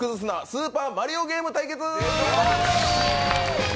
スーパーマリオゲーム対決！」